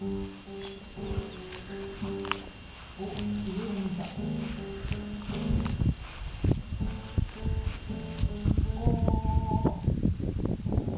おっうえを向いたお！